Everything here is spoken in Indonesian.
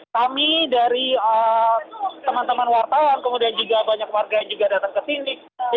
kami dari teman teman wartawan kemudian juga banyak warga yang juga datang ke sini